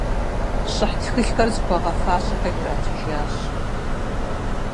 Щӏыхь тхылъхэр зыхуагъэфэщахэм иратыжащ.